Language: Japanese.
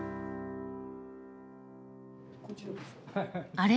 あれ？